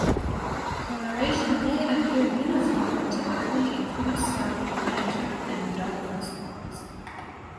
Coloration may appear uniform but typically includes some lighter and darker spots.